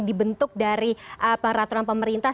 dibentuk dari peraturan pemerintah